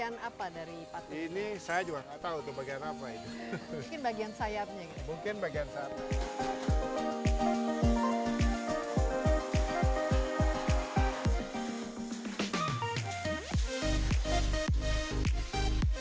nah itu bagian apa dari patung